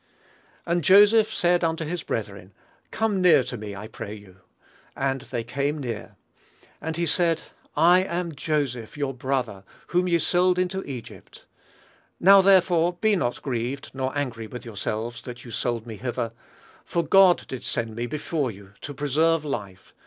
"And Joseph said unto his brethren, Come near to me, I pray you. And they came near. And he said, I am Joseph your brother, whom ye sold into Egypt. Now therefore be not grieved, nor angry with yourselves, that you sold me hither; for God did send me before you, to preserve life....